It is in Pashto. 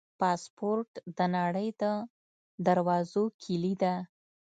پاسپورټ د نړۍ د دروازو کلي ده.